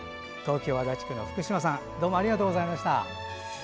東京・足立区のふくしまさんどうもありがとうございました。